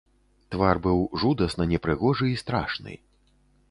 Твар быў жудасна непрыгожы і страшны.